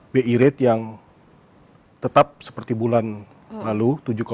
bi rate yang tetap seperti bulan lalu